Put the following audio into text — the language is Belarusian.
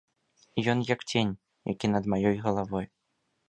Ён як цень, які над маёй галавой.